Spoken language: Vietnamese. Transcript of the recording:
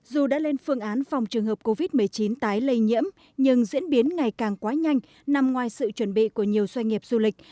dù đã lên phương án phòng trường hợp covid một mươi chín tái lây nhiễm nhưng diễn biến ngày càng quá nhanh nằm ngoài sự chuẩn bị của nhiều doanh nghiệp du lịch